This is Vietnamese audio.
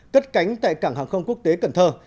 cất cánh tại cảng hàng không quốc tế cần thơ